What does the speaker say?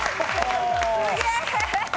すげえ！